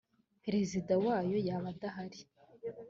perezida wayo yaba adahari